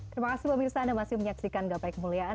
terima kasih pemirsa anda masih menyaksikan gapai kemuliaan